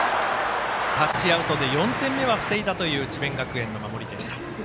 タッチアウトで４点目は防いだという智弁学園の守りでした。